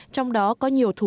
trong đó có nhiều thủ tục